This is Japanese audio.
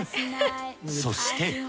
そして。